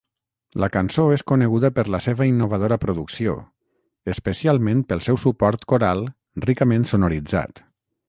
La cançó és coneguda per la seva innovadora producció, especialment pel seu suport coral ricament sonoritzat.